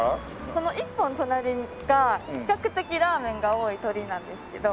この１本隣が比較的ラーメンが多い通りなんですけど。